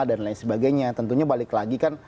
dan lain sebagainya tentunya balik lagi kan